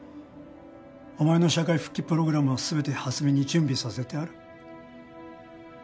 お前の社会復帰プログラムは全て蓮見に準備させてある。